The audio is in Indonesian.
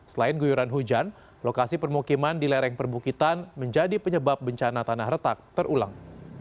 selain guyuran hujan lokasi permukiman di lereng perbukitan menjadi penyebab bencana tanah retak terulang